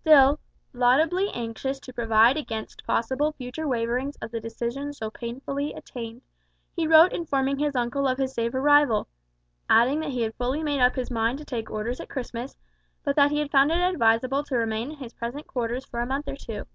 Still, laudably anxious to provide against possible future waverings of the decision so painfully attained, he wrote informing his uncle of his safe arrival; adding that he had fully made up his mind to take Orders at Christmas, but that he found it advisable to remain in his present quarters for a month or two.